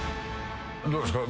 どうですか？